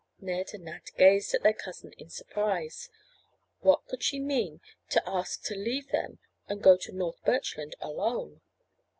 Ned and Nat gazed at their cousin in surprise. What could she mean to ask to leave them and go to North Birchland alone?